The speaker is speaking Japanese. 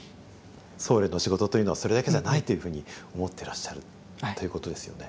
僧侶の仕事というのはそれだけじゃないというふうに思ってらっしゃるということですよね。